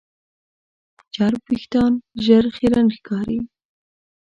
چرب وېښتيان ژر خیرن ښکاري.